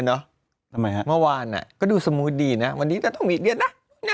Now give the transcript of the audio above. ไม่เห็นเนอะเมื่อวานก็ดูสมูทดีนะวันนี้ก็ต้องมีเรียนนะ